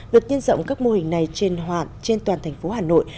việc nhân rộng các mô hình này trên toàn thành phố hà nội